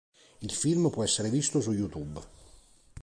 Il film può essere visto su YouTube.